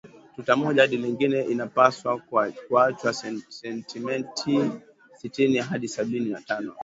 Tuta moja hadi lingine inapaswa kuachwa sentimita sitini hadi sabini na tano